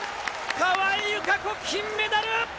川井友香子、金メダル！